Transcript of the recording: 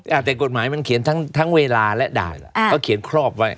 อ่าแต่กฎหมายมันเขียนทั้งทั้งเวลาและด่านล่ะอ่าเขาเขียนครอบไว้